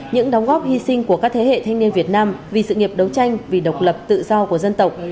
những đóng góp hy sinh của các thế hệ thanh niên việt nam vì sự nghiệp đấu tranh vì độc lập tự do của dân tộc